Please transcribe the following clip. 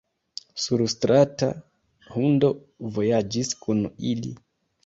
Surstrata hundo vojaĝis kun ili.